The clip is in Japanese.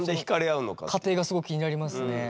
過程がすごく気になりますね。